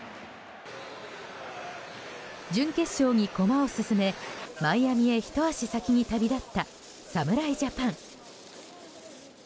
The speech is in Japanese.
準決勝に駒を進め、マイアミへひと足先に旅立った侍ジャパン。